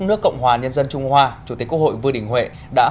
nước cộng hòa nhân dân trung hoa chủ tịch quốc hội vương đình huệ đã hội đồng